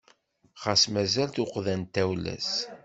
Xas mazal tuqqda n tawla-s.